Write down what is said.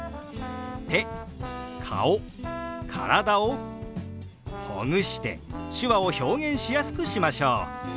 手顔体をほぐして手話を表現しやすくしましょう。